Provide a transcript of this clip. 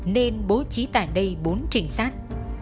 nên bố trí tại đây bốn trình sát